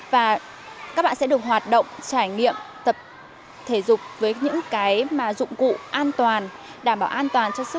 và các bạn sẽ được hoạt động trải nghiệm tập thể dục với những cái mà dụng cụ an toàn đảm bảo an toàn cho sức khỏe